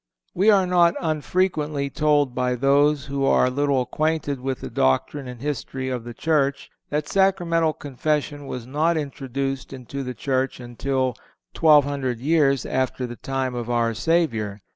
We are not unfrequently told by those who are little acquainted with the doctrine and history of the Church, that Sacramental Confession was not introduced into the Church until 1,200 years after the time of our Savior.